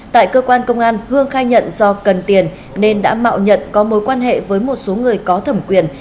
tại cơ quan công an hương khai nhận do cần tiền nên đã mạo nhận có mối quan hệ với một số người có thẩm quyền